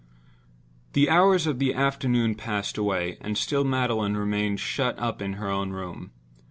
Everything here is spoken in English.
The hours of the afternoon passed away, and still Magdalen remained shut up in her own room.